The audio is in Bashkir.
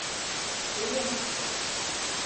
Кейен!